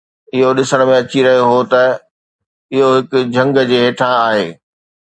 اهو ڏسڻ ۾ اچي رهيو هو ته اهو هڪ جهنگ جي هيٺان آهي